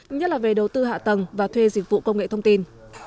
nhất là về đầu tư hạ tầng và thuê dịch vụ công nghệ thông tin